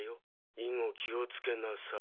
以後気をつけなさい。